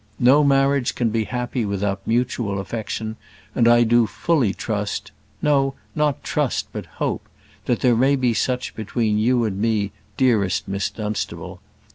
No marriage can be happy without mutual affection; and I do fully trust no, not trust, but hope that there may be such between you and me, dearest Miss Dunstable.